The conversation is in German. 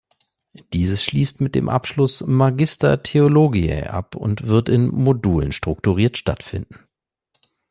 Dieses schließt mit dem Abschluss "Magister Theologiae" ab und wird in Modulen strukturiert stattfinden.